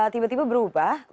tiba tiba berubah menjadi